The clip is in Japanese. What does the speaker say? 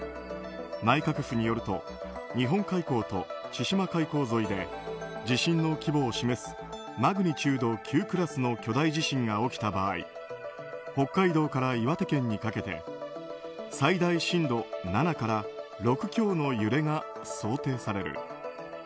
内閣府によると、日本海溝と千島海溝沿いで地震の規模を示すマグニチュード９クラスの巨大地震が起きた場合北海道から岩手県にかけて最大震度７から６強の揺れが想定される。